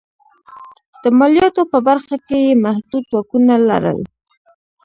د مالیاتو په برخه کې یې محدود واکونه لرل.